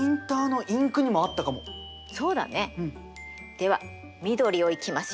では緑をいきますよ。